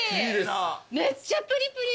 めっちゃプリプリ。